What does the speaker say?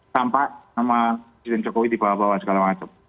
sampai sama jidin jokowi dibawa bawa segala macam